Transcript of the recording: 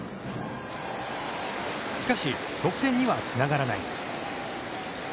しかし、得点にはつながらない。